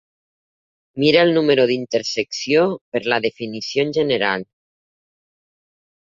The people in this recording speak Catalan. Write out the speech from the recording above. Mira el número d'intersecció per la definició en general.